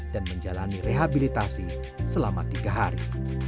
dan menjalani rehabilitasi selama tiga hari